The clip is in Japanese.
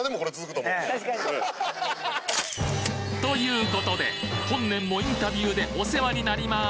確かに。ということで本年もインタビューでお世話になります！